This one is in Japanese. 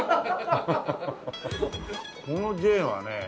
このＪはね